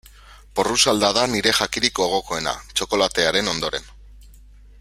Porrusalda da nire jakirik gogokoena, txokolatearen ondoren.